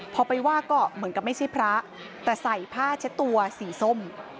พอไปว่าก็เหมือนกับไม่ใช่พระแต่ใส่ผ้าเช็ดตัวสีส้ม